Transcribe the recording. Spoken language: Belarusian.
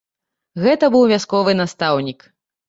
Гэта быў вясковы настаўнік.